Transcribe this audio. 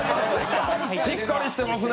しっかりしてますね。